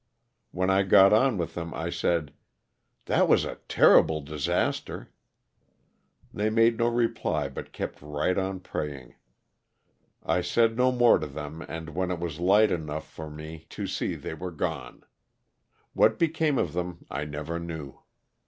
When I got on with them I said: ''That was a terrible disaster." They made no reply but kept right on praying. I said no more to them and when it was light enough for mi 5 34 LOSS OF THE SULTAI^A. to see they were gone. What became of them I never knew.